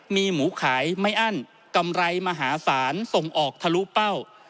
มีหมูขายไม่อั้นกำไรมหาศาลส่งออกทะลุเป้า